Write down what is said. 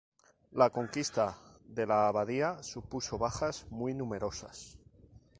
La conquista de la Abadía supuso bajas muy numerosas.